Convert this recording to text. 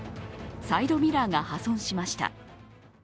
サイドミラーが破損しました。